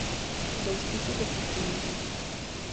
Dous tipos de furtivismo.